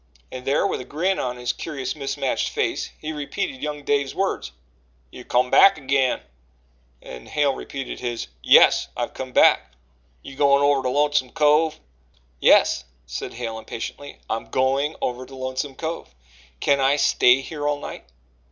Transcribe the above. And there, with a grin on his curious mismatched face, he repeated young Dave's words: "You've come back agin." And Hale repeated his: "Yes, I've come back again." "You goin' over to Lonesome Cove?" "Yes," said Hale impatiently, "I'm going over to Lonesome Cove. Can I stay here all night?"